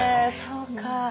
そうか。